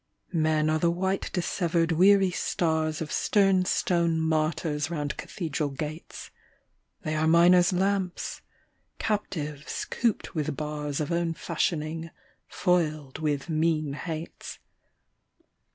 Men are the white dissevered weary stars Of stern stone martyrs round cathedral gates ; They are miner's lamps, captives cooped with bars Of own fashioning, foiled with mean hates.